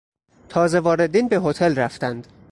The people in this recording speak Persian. تازه واردین به هتل رفتند.